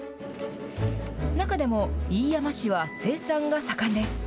中でも飯山市は生産が盛んです。